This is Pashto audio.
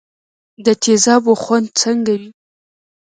د تیزابو خوند څنګه وي.